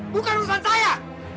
bukan urusan saya